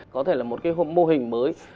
có thể là một cái mô hình mới